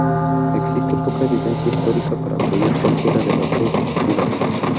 Existe poca evidencia histórica para apoyar cualquiera de las dos posturas.